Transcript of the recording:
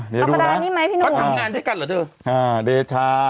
เดี๋ยวดูนะปรากฎานี้ไหมพี่หนูเขาถังงานด้วยกันเหรอเถอะอ่าเดชา